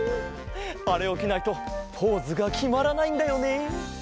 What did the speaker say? あれをきないとポーズがきまらないんだよね。